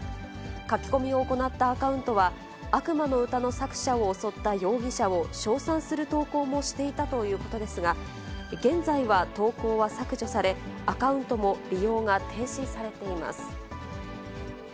書き込みを行ったアカウントは、悪魔の詩の作者を襲った容疑者を称賛する投稿もしていたということですが、現在は投稿は削除され、アカウントも利用が停止されています。